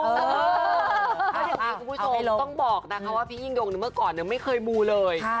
เอาอย่างนี้คุณผู้ชมต้องบอกนะคะว่าพี่ยิ่งยงเมื่อก่อนไม่เคยมูเลย